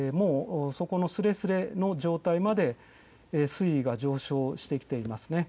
そこのすれすれの状態まで水位が上昇してきています。